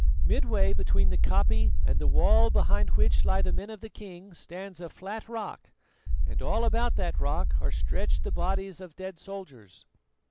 Midway between the koppie and the wall behind which lie the men of the king stands a flat rock, and all about that rock are stretched the bodies of dead soldiers.